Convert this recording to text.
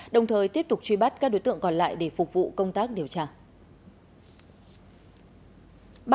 đồng thời tiếp tục truy bắt các đối tượng còn lại để phục vụ công tác điều tra